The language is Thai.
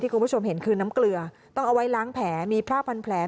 ที่คุณผู้ชมเห็นคือน้ำเกลือต้องเอาไว้ล้างแผล